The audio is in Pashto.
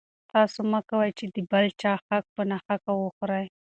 تاسو مه کوئ چې د بل چا حق په ناحقه وخورئ.